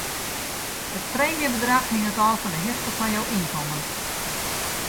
It preemjebedrach hinget ôf fan 'e hichte fan jo ynkommen.